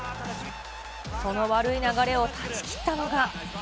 その悪い流れを断ち切ったのが。